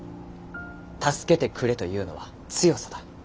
助けてくれと言うのは強さだ。